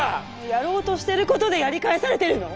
やろうとしてることでやり返されてるの？